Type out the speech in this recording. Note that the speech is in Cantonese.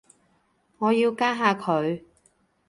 我要加下佢